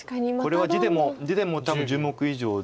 これは地でも多分１０目以上で。